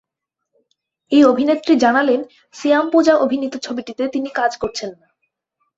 এই অভিনেত্রী জানালেন, সিয়াম পূজা অভিনীত ছবিটিতে তিনি কাজ করছেন না।